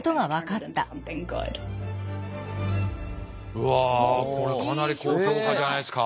うわこれかなり高評価じゃないですか。